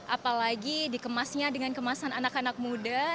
apalagi dikemasnya dengan kemasan anak anak muda